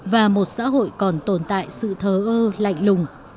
và một xã hội còn tồn tại sự thờ ơ lạnh lùng